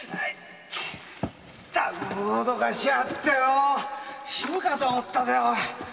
ったく脅かしやがってよ死ぬかと思ったぜ。